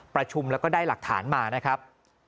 ประชุมแล้วก็ได้หลักฐานมานะครับ